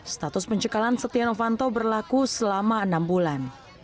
status pencekalan setia novanto berlaku selama enam bulan